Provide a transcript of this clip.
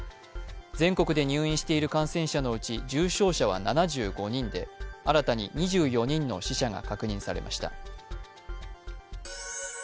全国で入院している感染者のうち重症者は７５人で新たに２４人の死者が確認されました。